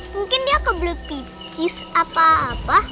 mungkin dia kebelut pipis apa apa